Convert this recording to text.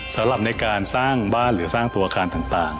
สำหรับในการสร้างบ้านหรือสร้างตัวอาคารต่าง